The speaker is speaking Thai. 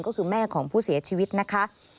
ก็คือแม่ของผู้เสียชีวิตนะคะ